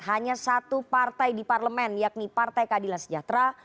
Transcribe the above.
hanya satu partai di parlemen yakni partai keadilan sejahtera